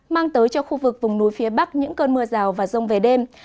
mang tới cho khu vực vùng núi phía bắc những cơn mưa rào và rông về đêm